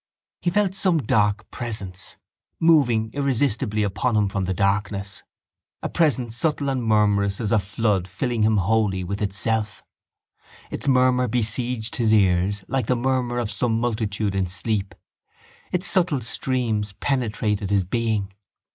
He felt some dark presence moving irresistibly upon him from the darkness, a presence subtle and murmurous as a flood filling him wholly with itself. Its murmur besieged his ears like the murmur of some multitude in sleep; its subtle streams penetrated his being.